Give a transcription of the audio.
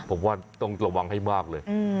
ผมว่าต้องระวังให้มากเลย